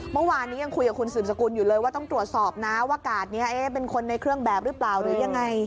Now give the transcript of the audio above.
เมื่อวานยังคุยกับคุณศูนย์สกุลว่าต้องตรวจสอบนะว่ากาดเป็นคนในเครื่องแบบหรือยังไง